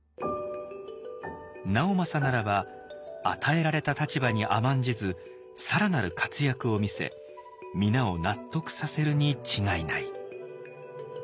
直政ならば与えられた立場に甘んじず更なる活躍を見せ皆を納得させるに違いない。